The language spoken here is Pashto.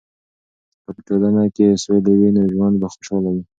که په ټولنه کې سولې وي، نو ژوند به خوشحاله وي.